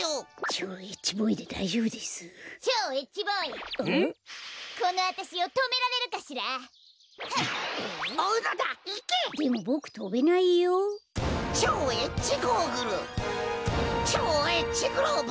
超Ｈグローブ！